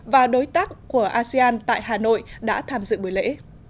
và đối tác của asean tại hà nội đã tham dự buổi lễ